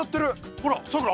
ほらさくら